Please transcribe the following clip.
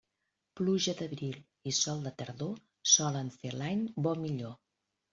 Pluja d'abril i sol de tardor solen fer l'any bo millor.